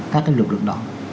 các cái lực lượng đó